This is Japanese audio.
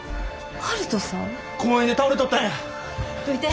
悠人さん！